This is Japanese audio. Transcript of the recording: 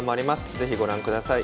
是非ご覧ください。